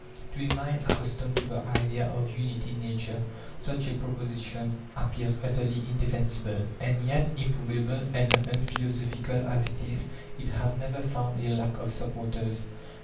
To a mind accustomed to the idea of unity in nature, such a proposition appears utterly indefensible. And yet, improbable and unphilosophical as it is, it has never found a lack of supporters.